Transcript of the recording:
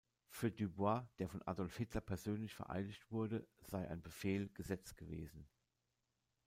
Für Dubois, der von Adolf Hitler persönlich vereidigt wurde, sei ein Befehl Gesetz gewesen.